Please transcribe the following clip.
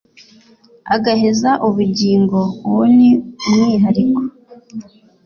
Agaheza ubugingo uwo ni umwihariko